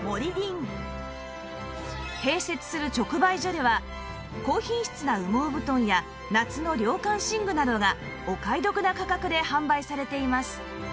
併設する直売所では高品質な羽毛布団や夏の涼感寝具などがお買い得な価格で販売されています